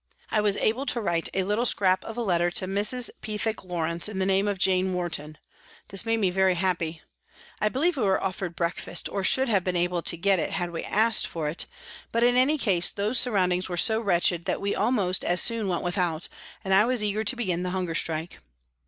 I was able to write a little scrap of a letter to Mrs. Pethick Lawrence in the name of " Jane Warton." This made me very happy. I believe we were offered breakfast, or should have been able to get it had we asked for it, JANE WARTON 257 but, in any case, those surroundings were so wretched that we almost as soon went without, and I was eager to begin the hunger strike.